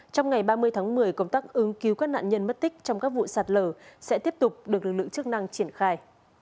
trong ngày ba mươi tháng một mươi công tác ứng cứu các nạn nhân mất tích trong các vụ sạt lở sẽ tiếp tục được lực lượng chức năng triển khai